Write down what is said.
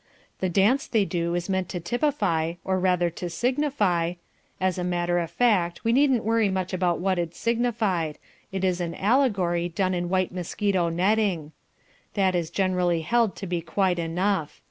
The dance they do is meant to typify, or rather to signify, as a matter of fact we needn't worry much about what it signified. It is an allegory, done in white mosquito netting. That is generally held to be quite enough.